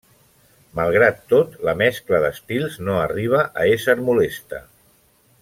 Malgrat tot, la mescla d'estils no arriba a ésser molesta.